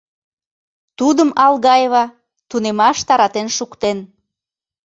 Тудым Алгаева тунемаш таратен шуктен.